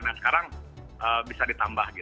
nah sekarang bisa ditambah